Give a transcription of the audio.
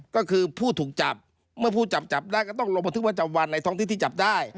ก็คือผู้ถูกจับเมื่อผู้จับจับได้ก็ต้องลงบันทึกประจำวันในท้องที่ที่จับได้